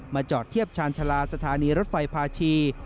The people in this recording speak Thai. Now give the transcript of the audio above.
จอดเทียบชาญชาลาสถานีรถไฟพาชี